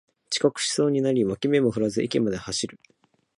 遅刻しそうになり脇目も振らずに駅まで走る